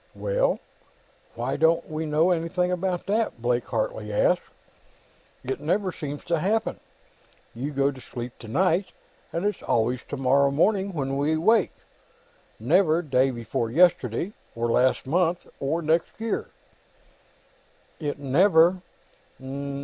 "Well, why don't we know anything about that?" Blake Hartley asked. "It never seems to happen. We go to sleep tonight, and it's always tomorrow morning when we wake; never day before yesterday, or last month, or next year." "It never